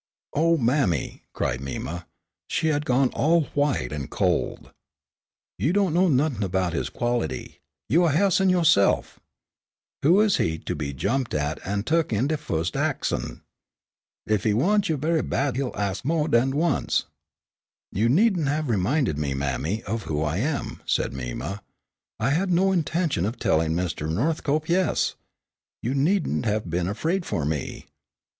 "Oh, mammy," cried Mima; she had gone all white and cold. "You do' know nothin' 'bout his quality. You a Ha'ison yo'se'f. Who is he to be jumped at an' tuk at de fust axin'? Ef he wants you ve'y bad he'll ax mo' dan once." "You needn't have reminded me, mammy, of who I am," said Mima. "I had no intention of telling Mr. Northcope yes. You needn't have been afraid for me."